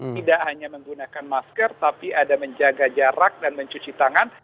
tidak hanya menggunakan masker tapi ada menjaga jarak dan mencuci tangan